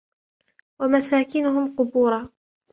وَمَسَاكِنُهُمْ قُبُورًا